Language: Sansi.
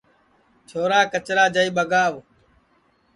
چھورا کچرا جائی ٻگاو